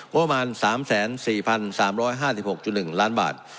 ประมาณ๓๔๓๕๖๑ล้านบาท